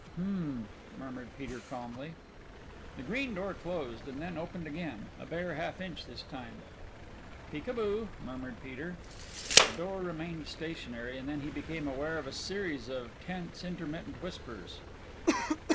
"Hm," murmured Peter calmly. The green door closed and then opened again a bare half inch this time. "Peek a boo," murmured Peter. The door remained stationary and then he became aware of a series of tense intermittent whispers.